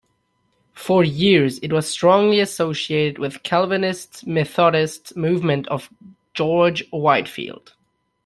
For years it was strongly associated with the Calvinist Methodist movement of George Whitefield.